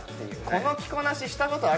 この着こなししたことあります？